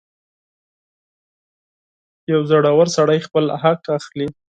• یو زړور سړی خپل حق اخلي.